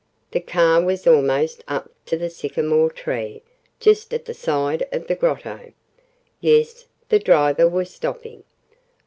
The car was almost up to the sycamore tree, just at the side of the Grotto. Yes, the driver was stopping.